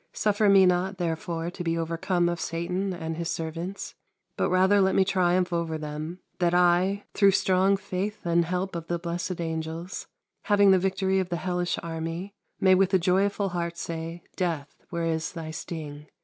Suffer me not, therefore, to be overcome of Satan and of his servants, but rather let me triumph over them, that I, through strong faith and help of the blessed angels, having the victory of the hellish army, may with a joyful heart say, Death, where is thy sting?